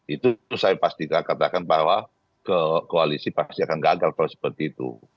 itu saya pasti katakan bahwa ke koalisi pasti akan gagal kalau seperti itu